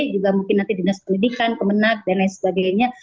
juga mungkin nanti dinas pendidikan kemenang dan lain sebagainya